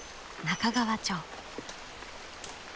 中川町。